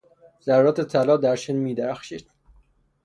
ذرات طلا در شن میدرخشید.